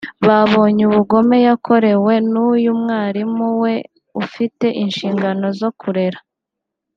babonye ubugome yakorewe n’uyu mwarimu we ufite inshingano zo kurera